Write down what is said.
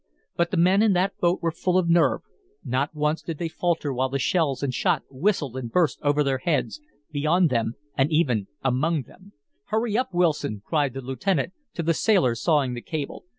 But the men in that boat were full of nerve. Not once did they falter while shells and shot whistled and burst over their heads, beyond them and even among them. "Hurry up, Wilson," cried the lieutenant to the sailor sawing the cable.